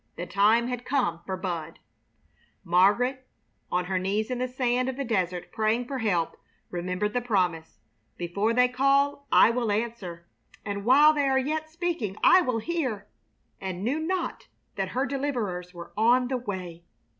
The time had come for Bud. Margaret, on her knees in the sand of the desert praying for help, remembered the promise, "Before they call I will answer, and while they are yet speaking I will hear," and knew not that her deliverers were on the way.